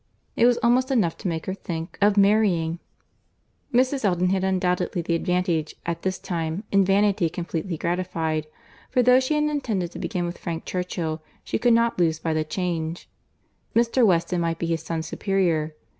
It was almost enough to make her think of marrying. Mrs. Elton had undoubtedly the advantage, at this time, in vanity completely gratified; for though she had intended to begin with Frank Churchill, she could not lose by the change. Mr. Weston might be his son's superior.